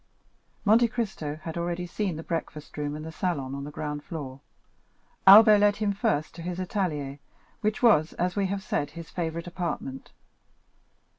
Monte Cristo had already seen the breakfast room and the salon on the ground floor. Albert led him first to his atelier, which was, as we have said, his favorite apartment.